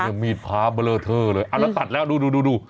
นี่มีดพระเบลอเท่าเลยเอาแล้วตัดแล้วดู